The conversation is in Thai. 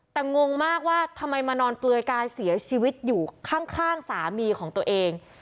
แต่งงมากว่าทำไมมานอนเปลือยกายเสียชีวิตอยู่ข้างสามีของตัวเอง